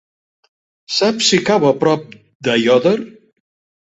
Saps si cau a prop d'Aiòder?